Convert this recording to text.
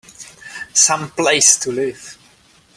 Some place to live!